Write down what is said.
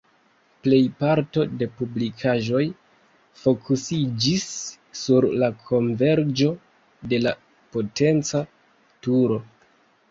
Plej parto de publikaĵoj fokusiĝis sur la konverĝo de la potenca turo.